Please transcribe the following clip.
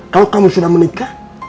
kalo kamu sudah menikah